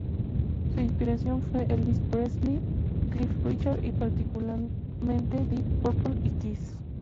Su inspiración fue Elvis Presley, Cliff Richard y particularmente, Deep Purple y Kiss.